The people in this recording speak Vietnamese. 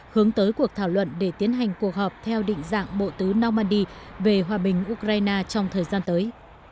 hướng tới cuộc thảo luận để tiến hành cuộc họp theo định dạng bộ tứ normandy về hòa bình ukraine trong thời gian tới